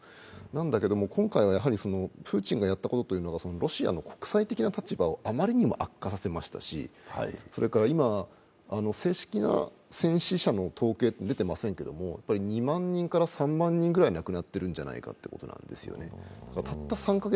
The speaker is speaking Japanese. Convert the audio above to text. なんだけれども今回はプーチンがやったことというのがロシアの国際的な立場をあまりにも悪化させましたし、今正式な戦死者の統計は出ていませんが、２万人から３万人ぐらい亡くなっているんじゃないかということなんですね。